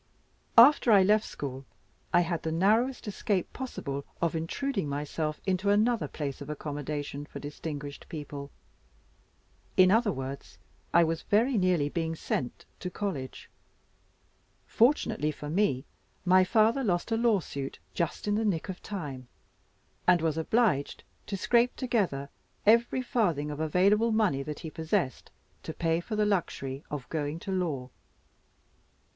After I left school, I had the narrowest escape possible of intruding myself into another place of accommodation for distinguished people; in other words, I was very nearly being sent to college. Fortunately for me, my father lost a lawsuit just in the nick of time, and was obliged to scrape together every farthing of available money that he possessed to pay for the luxury of going to law.